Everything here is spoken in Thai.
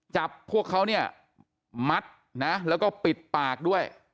จับพวกเขาเนี่ยมัดนะแล้วก็ปิดปากด้วย